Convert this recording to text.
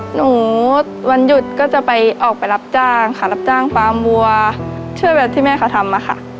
หนูวันหยุดก็จะไปออกไปรับจ้างค่ะรับจ้างฟาร์มวัวช่วยแบบที่แม่เขาทำค่ะ